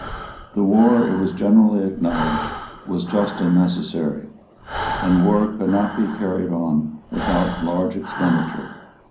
The war, it was generally acknowledged, was just and necessary; and war could not be carried on without large expenditure.